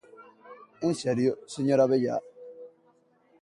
¿En serio, señor Abellá?